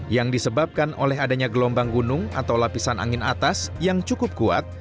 yang disebabkan oleh adanya gelombang gunung atau lapisan angin atas yang cukup kuat